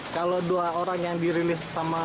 kalau dua orang yang dirilis sama